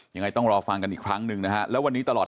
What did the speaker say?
ยังไงต้องรอฟังกันอีกครั้งนึงนะครับ